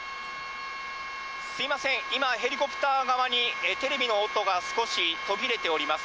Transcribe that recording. すみません、今、ヘリコプター側にテレビの音が少し途切れております。